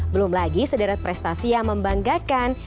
belum lagi sederet prestasi yang membanggakan